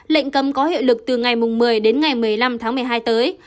lệnh cấm có hiệu lực từ ngày một mươi đến ngày một mươi năm tháng một mươi hai tới